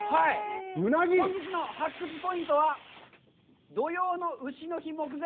本日の発掘ポイントは「土用の丑の日目前！